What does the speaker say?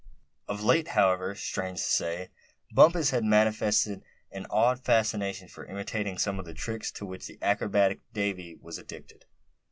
Of late however, strange to say, Bumpus had manifested an odd fascination for imitating some of the tricks to which the acrobatic Davy was addicted.